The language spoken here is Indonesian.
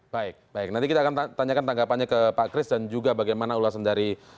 baik baik nanti kita akan tanyakan tanggapannya ke pak kris dan juga bagaimana ulasan dari